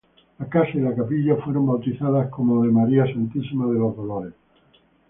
La casa y la capilla fueron bautizadas como de María Santísima de los Dolores.